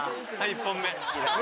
１本目。